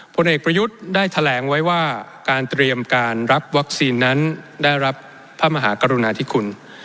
ผลเอกประยุทธ์ได้แถลงไว้ว่าการเตรียมการรับวัคซีนนั้นได้รับพระมหากรุณาธิคุณ